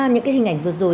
những hình ảnh vừa rồi